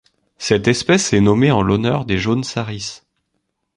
Cette espèce est nommée en l'honneur des Jaunsaris.